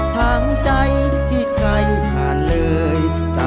ทางใจที่ใครผ่านเลย